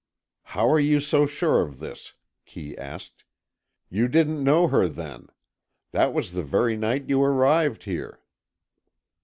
"How are you so sure of this?" Kee asked. "You didn't know her then. That was the very night you arrived here."